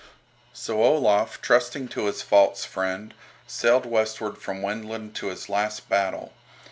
So Olaf, trusting to his false friend, sailed westward from Wendland to his last battle.